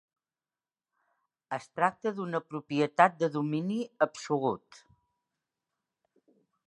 Es tracta d'una propietat de domini absolut.